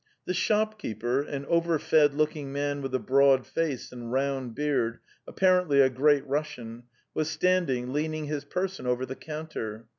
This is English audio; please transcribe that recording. The shop keeper, an overfed looking man with a broad face and round beard, apparently a Great Russian, was standing, leaning his person over the counter.